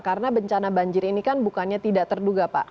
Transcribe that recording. karena bencana banjir ini kan bukannya tidak terduga pak